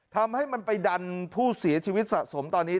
ทำให้มันไปดันผู้เสียชีวิตสะสมตอนนี้